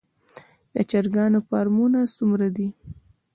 د چرګانو فارمونه څومره دي؟